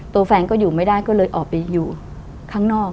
ตัวแฟนก็อยู่ไม่ได้ก็เลยออกไปอยู่ข้างนอก